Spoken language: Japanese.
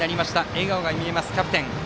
笑顔が見えます、キャプテン。